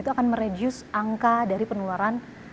itu akan mereduce angka dari penularan